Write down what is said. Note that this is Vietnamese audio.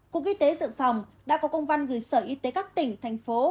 cục y tế dự phòng đã có công văn gửi sở y tế các tỉnh thành phố